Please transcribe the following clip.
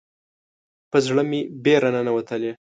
په زړه مې بیره ننوتلې